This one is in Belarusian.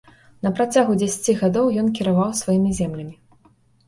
На працягу дзесяці гадоў ён кіраваў сваімі землямі.